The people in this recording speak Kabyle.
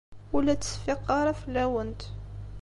Ur la ttseffiqeɣ ara fell-awent.